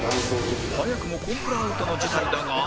早くもコンプラアウトの事態だが